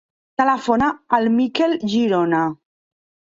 Telefona al Mikel Girona.